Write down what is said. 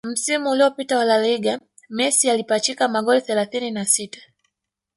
Msimu uliopita wa La Liga Messi alipachika magoli thelathini na sita